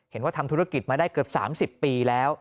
เห็นว่าทำธุรกิจมาได้เกือบ๓๐ปีแล้ว